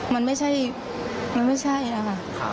มันไม่ใช่มันไม่ใช่นะคะ